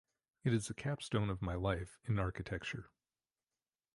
It is the capstone of my life in architecture.